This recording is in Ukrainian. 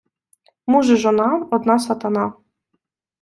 муж і жона – одна сатана